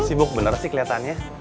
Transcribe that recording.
sibuk bener sih keliatannya